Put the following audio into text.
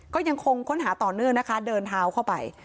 ก็ยังคงค้นหาต่อเนื่องนะคะเดินเท้าเข้าไป